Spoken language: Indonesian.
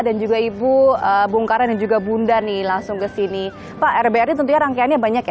dan juga ibu bung karan juga bunda nih langsung ke sini pak rbr di tentunya rangkaiannya banyak